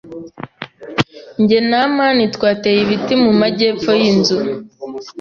Jye na amani twateye ibiti mu majyepfo yinzu.